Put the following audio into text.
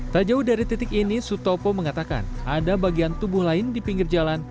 tak jauh dari titik ini sutopo mengatakan ada bagian tubuh lain di pinggir jalan